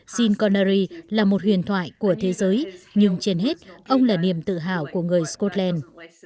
shin connery là một huyền thoại của thế giới nhưng trên hết ông là niềm tự hào của người scotland